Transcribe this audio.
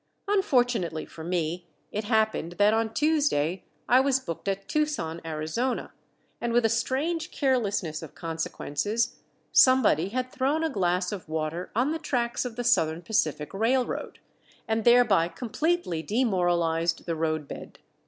Unfortunately for me it happened that on Tuesday I was booked at Tucson, Arizona, and with a strange carelessness of consequences somebody had thrown a glass of water on the tracks of the Southern Pacific Railroad, and thereby completely demoralized the roadbed.